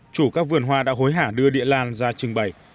chủ các vườn hoa đã hối hả đưa địa lan ra trưng bày